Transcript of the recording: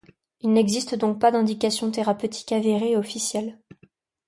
Il n'existe donc pas d'indications thérapeutiques avérées et officielles.